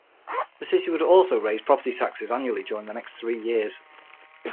The city would also raise property taxes annually over the next three years.